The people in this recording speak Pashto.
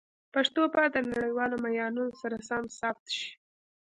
پښتو باید د نړیوالو معیارونو سره سم ثبت شي.